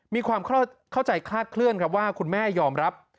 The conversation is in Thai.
มีความเข้าใจคลาดเคลื่อนครับว่าคุณแม่ยอมรับ